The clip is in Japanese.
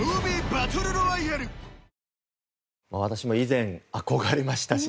私も以前憧れましたし